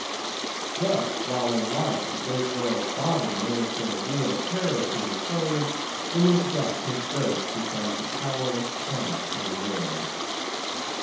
Thus, while in life the great whale's body may have been a real terror to his foes, in his death his ghost becomes a powerless panic to a world.